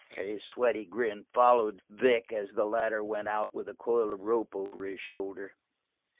And his sweaty grin followed Vic as the latter went out with the coil of rope over his shoulder.